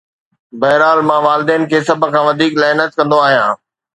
بهرحال، مان والدين کي سڀ کان وڌيڪ لعنت ڪندو آهيان.